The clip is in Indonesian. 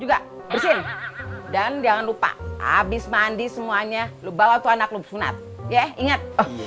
juga bersin dan jangan lupa habis mandi semuanya lu bawa tuh anak lu sunat ya ingat